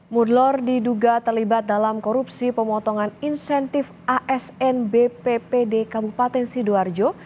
mudlor diduga terlibat dalam korupsi pemotongan insentif asn bppd kabupaten sidoarjo